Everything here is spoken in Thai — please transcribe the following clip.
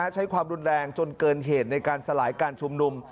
ใช้ความรุนแรงจนเกินเหตุในการสลายการชุมนุม